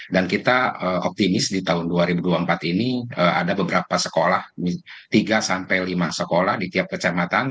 dan kita optimis di tahun dua ribu dua puluh empat ini ada beberapa sekolah tiga lima sekolah di tiap kecamatan